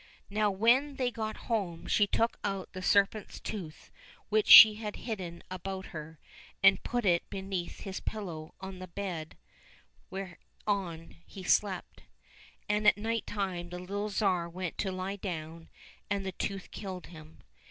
Now when they got home she took out the serpent's tooth which she had hidden about her, and put it beneath his pillow on the bed whereon he slept. And at night time the little Tsar went to lie down and the tooth killed him.